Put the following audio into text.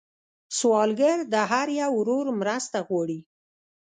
سوالګر د هر یو ورور مرسته غواړي